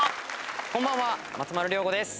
こんばんは松丸亮吾です。